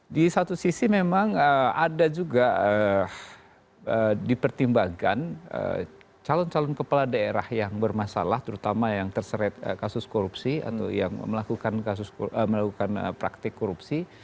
di satu sisi memang ada juga dipertimbangkan calon calon kepala daerah yang bermasalah terutama yang terseret kasus korupsi atau yang melakukan praktik korupsi